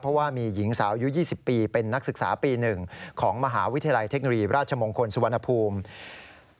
เพราะว่ามีหญิงสาวอายุ๒๐ปีเป็นนักศึกษาปี๑ของมหาวิทยาลัยเทคโนโลยีราชมงคลสุวรรณภูมิ